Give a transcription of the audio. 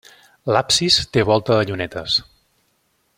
L'absis té volta de llunetes.